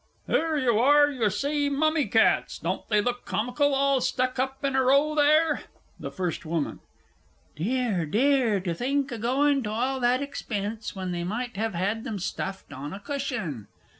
Here you are, you see, mummy cats don't they look comical all stuck up in a row there? FIRST WOMAN. Dear, dear to think o' going to all that expense when they might have had 'em stuffed on a cushion!